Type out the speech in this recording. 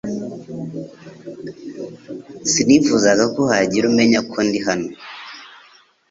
Sinifuzaga ko hagira umenya ko ndi hano .